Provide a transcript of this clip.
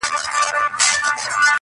• چي پر ځان مو راوستلې تباهي ده -